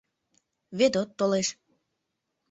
Ведот толеш.